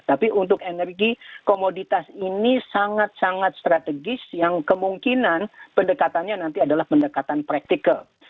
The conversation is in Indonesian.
tapi untuk energi komoditas ini sangat sangat strategis yang kemungkinan pendekatannya nanti adalah pendekatan praktikal